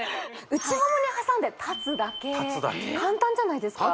内ももに挟んで立つだけ簡単じゃないですか？